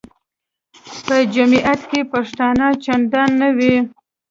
په جمیعت کې پښتانه چندان نه وو.